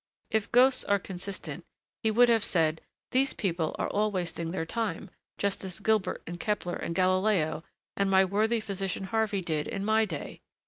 If ghosts are consistent, he would have said, 'These people are all wasting their time, just as Gilbert and Kepler and Galileo and my worthy physician Harvey did in my day.